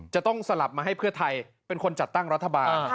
จะต้องสลับมาให้เพื่อไทยเป็นคนจัดตั้งรัฐบาล